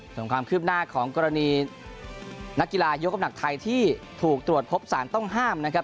ส่วนความคืบหน้าของกรณีนักกีฬายกน้ำหนักไทยที่ถูกตรวจพบสารต้องห้ามนะครับ